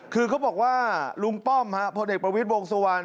คือเขาบอกว่าลุงป้อมพลเอกประวิทย์วงสุวรรณ